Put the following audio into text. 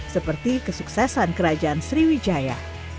seperti kesuksesan kerajaan sriwijaya